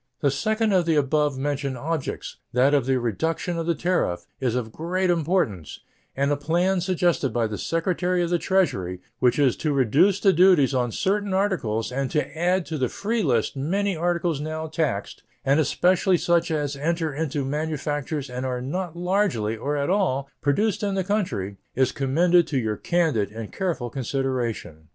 The second of the above mentioned objects, that of the reduction of the tariff, is of great importance, and the plan suggested by the Secretary of the Treasury, which is to reduce the duties on certain articles and to add to the free list many articles now taxed, and especially such as enter into manufactures and are not largely, or at all, produced in the country, is commended to your candid and careful consideration.